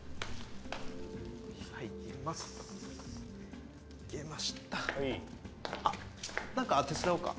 入ってますいけました何か手伝おうか？